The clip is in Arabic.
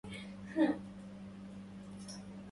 اليوم هو السبت